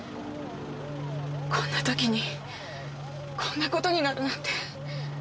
こんな時にこんな事になるなんて。